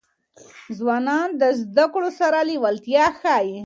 ځوانان د زدهکړو سره لېوالتیا ښيي.